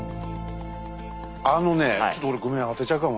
あのねちょっと俺ごめん当てちゃうかも。